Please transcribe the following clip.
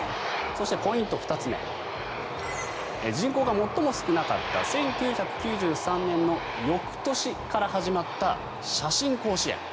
そしてポイント２つ目人口が最も少なかった１９９３年の翌年から始まった写真甲子園